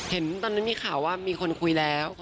เห็นตอนนั้นมีข่าวว่ามีคนคุยแล้ว